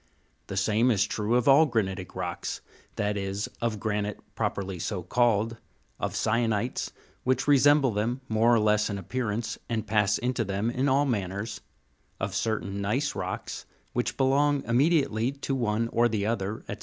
The same is true of all granitic rocks, that is of granite properly so called, of syenites, which resemble them more or less in appear ance, and pass into them in all manners, of certain gneiss rocks, which belong immediately to one or the other, &c.